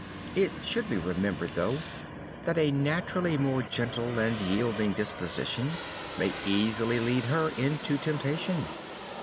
It should be remembered, though, that a naturally more gentle and yielding disposition may easily lead her into temptation.